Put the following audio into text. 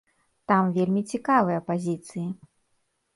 Там вельмі цікавыя пазіцыі.